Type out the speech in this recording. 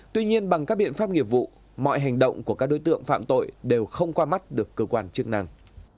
tuy nhiên bằng các biện pháp nghiệp vụ mọi hành động của các đối tượng phạm tội đều không qua mắt được cơ quan chức năng